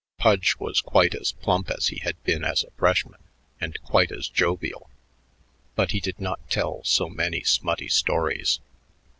Pudge was quite as plump as he had been as a freshman and quite as jovial, but he did not tell so many smutty stories.